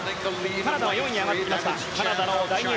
カナダは４位に上がってきました。